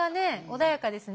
穏やかですね。